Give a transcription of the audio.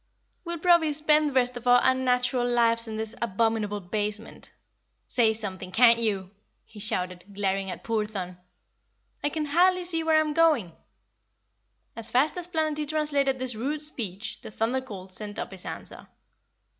"We'll probably spend the rest of our unnatural lives in this abominable basement. Say something, can't you?" he shouted, glaring at poor Thun. "I can hardly see where I'm going." As fast as Planetty translated this rude speech, the Thunder Colt sent up his answer.